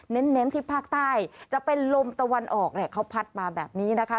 เน้นที่ภาคใต้จะเป็นลมตะวันออกเนี่ยเขาพัดมาแบบนี้นะคะ